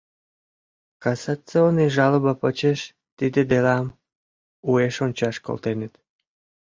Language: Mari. Кассационный жалоба почеш тиде делам уэш ончаш колтеныт.